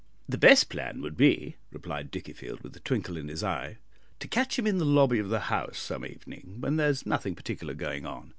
"The best plan would be," replied Dickiefield, with a twinkle in his eye, "to catch him in the lobby of the House some evening when there is nothing particular going on.